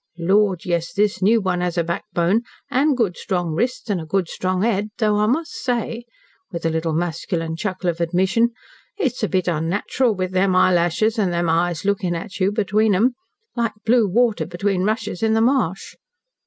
Lord, yes! this new one has a backbone and good strong wrists and a good strong head, though I must say" with a little masculine chuckle of admission "it's a bit unnatural with them eyelashes and them eyes looking at you between 'em. Like blue water between rushes in the marsh."